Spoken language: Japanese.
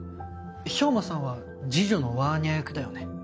兵馬さんは次女のワーニャ役だよね。